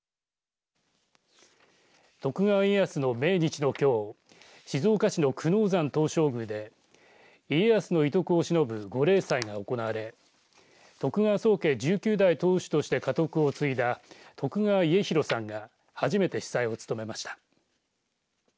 徳川家康の命日のきょう静岡市の久能山東照宮で家康の遺徳をしのぶ御例祭が行われ徳川宗家１９代当主として家督を継いだ徳川家広さんが初めて司祭を務めました。